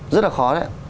rất là khó đấy